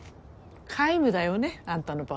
皆無だよね。あんたの場合。